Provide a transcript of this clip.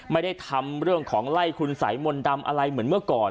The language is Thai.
ไม่ได้ทำเรื่องของไล่คุณสัยมนต์ดำอะไรเหมือนเมื่อก่อน